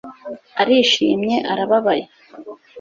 Arishimye arababaye